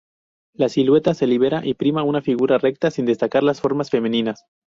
La silueta se libera y prima una figura recta, sin destacar las formas femeninas.